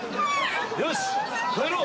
よし帰ろう！